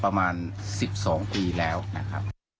ประมาณ๑๒ปีแล้วนะครับ